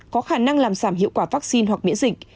có khả năng làm giảm hiệu quả vaccine hoặc miễn dịch